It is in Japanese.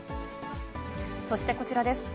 そしてこちらです。